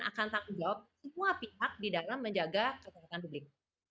akan tanggung jawab semua pihak di dalam menjaga kesehatan publik